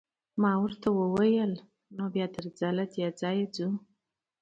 ما ورته وویل: نو بیا درځه، له دې ځایه ځو.